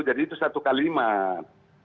jadi itu satu kalimat